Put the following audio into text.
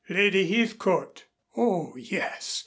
"Lady Heathcote " "Oh, yes.